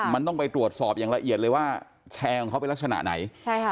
ก็คือกดโสพสอบให้ไล่ละเอียดแล้วว่าไหนไปแชร์ไหม